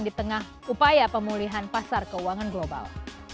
di tengah upaya pemulihan pasar keuangan global